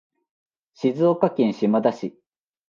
静岡県島田市